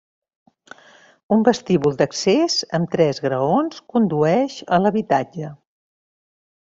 Un vestíbul d'accés, amb tres graons, condueix a l'habitatge.